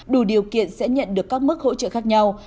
đủ điều kiện sẽ nhận được các mức hỗ trợ khác nhau